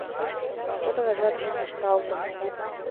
Чодыражат сылнешталтын